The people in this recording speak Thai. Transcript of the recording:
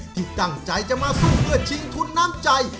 ที่ตั้งใจจะมาสู้เพื่อชิงทุนน้ำใจ